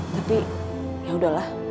tapi ya udahlah